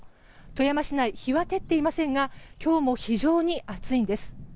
富山市内、日は照っていませんが今日も非常に暑いです。